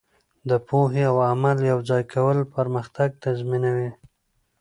د پوهې او عمل یوځای کول پرمختګ تضمینوي.